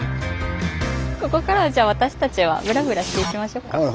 ここからはじゃあ私たちはブラブラしていきましょうか。